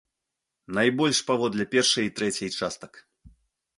Найбольш паводле першай і трэцяй частак.